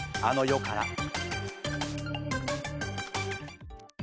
あの世から。